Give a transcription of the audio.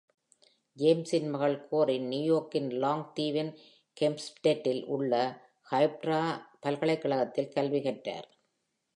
ஜேம்ஸின் மகள் கோரின், நியூயார்க்கின் லாங் தீவின் ஹெம்ப்ஸ்டெட்டில் உள்ள ஹோஃப்ஸ்ட்ரா பல்கலைக்கழகத்தில் கல்வி கற்றார்.